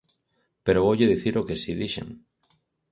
Pero voulle dicir o que si dixen.